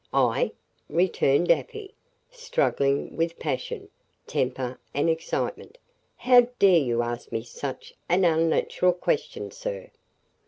"I?" returned Afy, struggling with passion, temper, and excitement. "How dare you ask me such an unnatural question, sir?